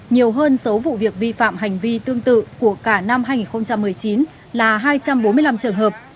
nhiều hơn số vụ việc vi phạm hành vi tương tự của cả năm hai nghìn một mươi chín là hai trăm bốn mươi năm trường hợp